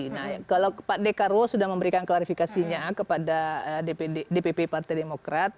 nah kalau pak dekarwo sudah memberikan klarifikasinya kepada dpp partai demokrat